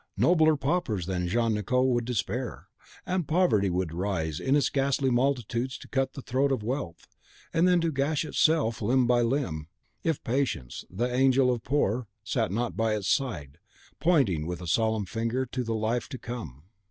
Nobler paupers than Jean Nicot would despair; and Poverty would rise in its ghastly multitudes to cut the throat of Wealth, and then gash itself limb by limb, if Patience, the Angel of the Poor, sat not by its side, pointing with solemn finger to the life to come!